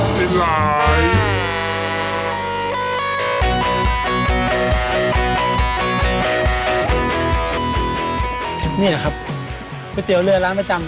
เก็บเงินตลอดเก็บเงินตลอดแม่ใจร้าย